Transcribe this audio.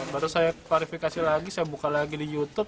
baru saya klarifikasi lagi saya buka lagi di youtube